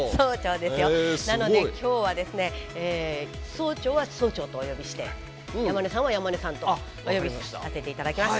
総長は「総長」とお呼びして山根さんは「山根さん」とお呼びさせていただきます。